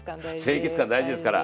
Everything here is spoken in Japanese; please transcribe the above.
清潔感大事ですから。